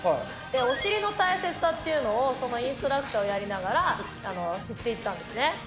お尻の大切さっていうのを、インストラクターをやりながら、知っていったんですね。